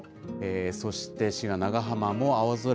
そして滋賀・長浜も青空。